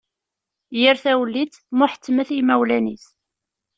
Yir tawellit, muḥettmet i yimawlan-is.